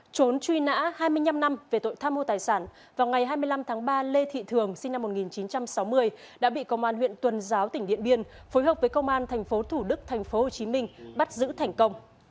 trốn truy nã hai mươi năm năm về tội tham mưu tài sản vào ngày hai mươi năm tháng ba lê thị thường sinh năm một nghìn chín trăm sáu mươi đã bị công an huyện tuần giáo tỉnh điện biên phối hợp với công an thành phố thủ đức thành phố hồ chí minh bắt giữ thành công